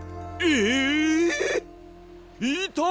いた！